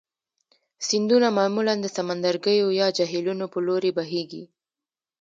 سیندونه معمولا د سمندرګیو یا جهیلونو په لوري بهیږي.